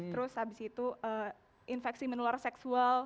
terus habis itu infeksi menular seksual